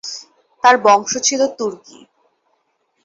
তার বংশ ছিল তুর্কি।